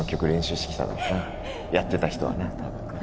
やってた人はな多分。